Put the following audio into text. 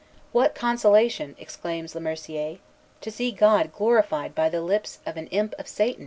"What consolation," exclaims Le Mercier, "to see God glorified by the lips of an imp of Satan!"